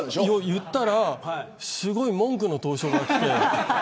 言ったらすごい文句の投書が来て。